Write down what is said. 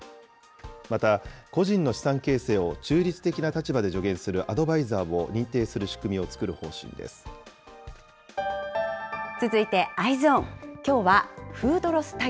また、個人の資産形成を中立的な立場で助言するアドバイザーを認定する続いてＥｙｅｓｏｎ。